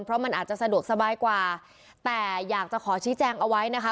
เพราะมันอาจจะสะดวกสบายกว่าแต่อยากจะขอชี้แจงเอาไว้นะคะ